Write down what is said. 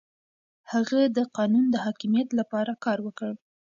هغه د قانون د حاکميت لپاره کار وکړ.